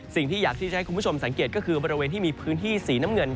สิ่งที่อยากที่จะให้คุณผู้ชมสังเกตก็คือบริเวณที่มีพื้นที่สีน้ำเงิน